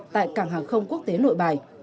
tại cảng hàng không quốc tế nội bài